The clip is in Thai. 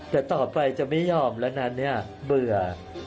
แต่ต่อไปจะไม่ยอมแล้วนะเนี่ยเบื่อ